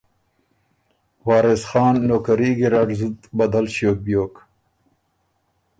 وارث خان نوکري ګیرډ زُت بدل ݭیوک بیوک۔